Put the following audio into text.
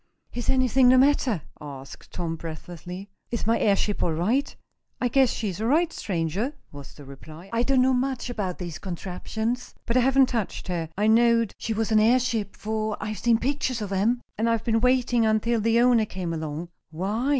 "Is anything the matter?" asked Tom, breathlessly. "Is my airship all right?" "I guess she's all right, stranger," was the reply. "I don't know much about these contraptions, but I haven't touched her. I knowed she was an airship, for I've seen pictures of 'em, and I've been waiting until the owner came along." "Why?"